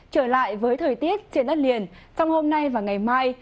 trở lại với thời tiết trên đất liền trong hôm nay và ngày mai